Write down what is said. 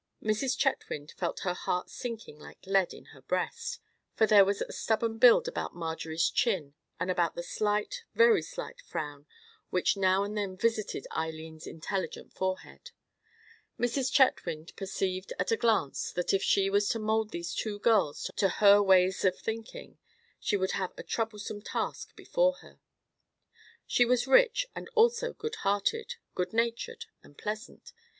Mrs. Chetwynd felt her heart sinking like lead in her breast; for there was a stubborn build about Marjorie's chin and about the slight, very slight frown which now and then visited Eileen's intelligent forehead. Mrs. Chetwynd perceived at a glance that if she was to mold these two girls to her ways of thinking, she would have a troublesome task before her. She was rich, and was also good hearted, good natured, and pleasant.